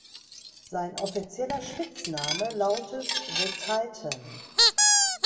Sein offizieller Spitzname lautet „The Titan“.